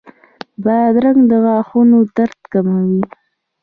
بادرنګ د غاښونو درد کموي.